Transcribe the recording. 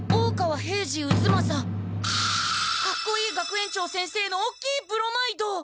かっこいい学園長先生のおっきいブロマイド！